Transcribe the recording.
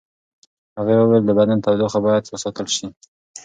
هغې وویل د بدن تودوخه باید ساتل شي.